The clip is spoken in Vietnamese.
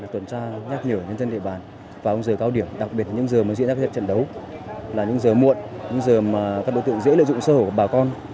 tuần tra nhắc nhở nhân dân địa bàn vào những giờ cao điểm đặc biệt là những giờ diễn ra trận đấu là những giờ muộn những giờ các đội tượng dễ lợi dụng sở hữu của bà con